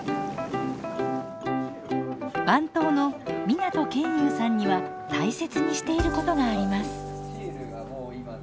番頭の湊研雄さんには大切にしていることがあります。